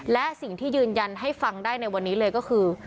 และสิ่งที่ยืนยันให้ฟังได้ในวันนี้เลยก็คือ